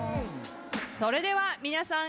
それでは皆さん。